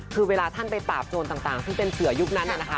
คือเวลาท่านไปปราบโจรต่างซึ่งเป็นเสือยุคนั้นนะคะ